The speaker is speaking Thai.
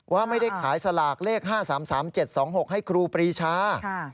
ว่าไม่ได้ขายสลากเลข๕๓๓๗๒๖ให้ครูปรีชา